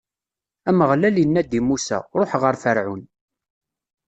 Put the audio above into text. Ameɣlal inna-d i Musa: Ṛuḥ ɣer Ferɛun.